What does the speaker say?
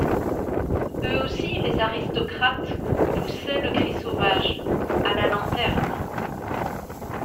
Eux aussi, les aristocrates, poussaient le cri sauvage : A la lanterne.